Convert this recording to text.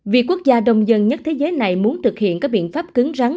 việc quốc gia đông dân nhất thế giới này muốn thực hiện các biện pháp cứng rắn